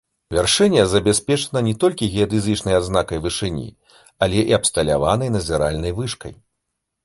Вяршыня забяспечана не толькі геадэзічнай адзнакай вышыні, але і абсталяванай назіральнай вышкай.